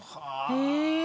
へえ。